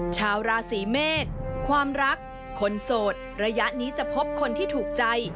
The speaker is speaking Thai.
ชาวราศีเมษความรักคนโสดระยะนี้จะพบคนที่ถูกใจ